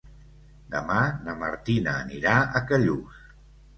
Demà na Martina anirà a Callús.